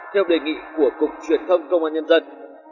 theo đề nghị của cục truyền thông công an nhân dân